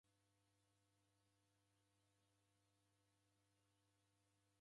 Oreka na muw'i mtini shuu.